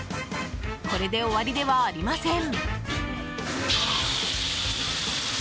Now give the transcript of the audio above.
これで終わりではありません。